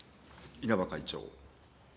稲葉会長。